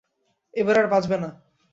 এবার আর বাচঁবে না।